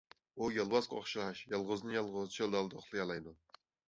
ئۇ يولۋاسقا ئوخشاش يالغۇزدىن-يالغۇز چۆل-دالادا ئۇخلىيالايدۇ.